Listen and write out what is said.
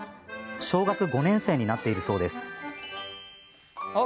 小学５年生になっているそうです。